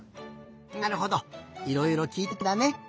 なるほどいろいろきいてみたいんだね。